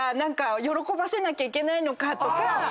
喜ばせなきゃいけないのかとか。